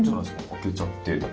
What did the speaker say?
開けちゃって。